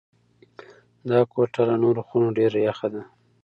دا کوټه له نورو خونو ډېره یخه ده.